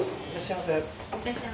いらっしゃいませ。